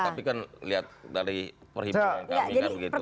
tapi kan lihat dari perhimpunan kami kan begitu